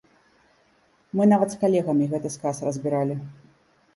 Мы нават з калегамі гэты сказ разбіралі.